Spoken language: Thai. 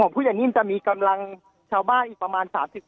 ผู้ใหญ่นิ่มจะมีกำลังชาวบ้านอีกประมาณ๓๐